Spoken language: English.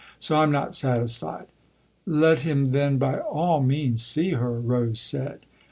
So I'm not satisfied." " Let him then by all means see her," Rose said.